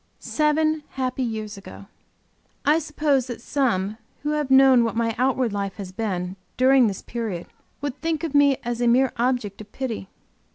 Seven happy years ago! I suppose that some who have known what my outward life has been during this period would think of me as a mere object of pity.